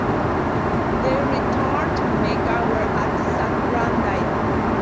They returned to Mecca, where As-Sakran died.